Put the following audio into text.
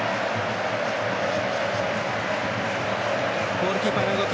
ゴールキーパーの動き